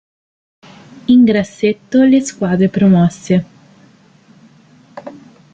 In grassetto le squadre promosse.